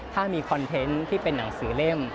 ถ้ามีคอนเทนต์ที่เป็นหนังสือเล่ม